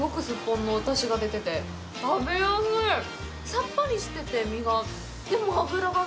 さっぱりしてて、身が。